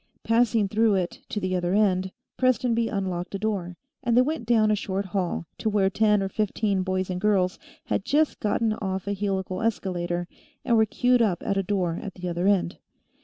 Passing through it to the other end, Prestonby unlocked a door, and they went down a short hall, to where ten or fifteen boys and girls had just gotten off a helical escalator and were queued up at a door at the other end.